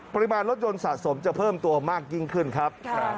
ปริมาณรถยนต์สะสมจะเพิ่มตัวมากยิ่งขึ้นครับ